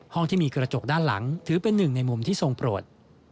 ที่มีกระจกด้านหลังถือเป็นหนึ่งในมุมที่ทรงโปรด